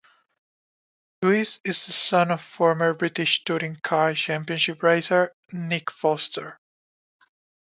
Louis is the son of former British Touring Car Championship racer Nick Foster.